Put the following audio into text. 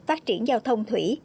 phát triển giao thông thủy